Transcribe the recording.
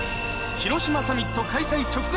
広島サミット開催直前